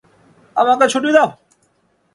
আমাকে ছুটি দাও।